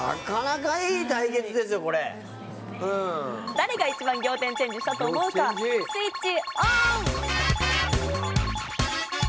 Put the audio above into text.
誰が一番仰天チェンジしたと思うかスイッチオン！